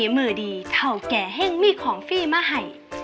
มาหน่อยดิ